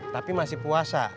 tapi masih puasa